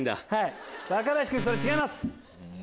若林君それ違います。